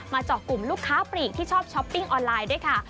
เจาะกลุ่มลูกค้าปลีกที่ชอบช้อปปิ้งออนไลน์ด้วยค่ะ